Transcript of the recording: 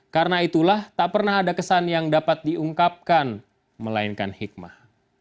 karena itulah tak pernah ada kesan yang dapat diungkapkan melainkan hikmah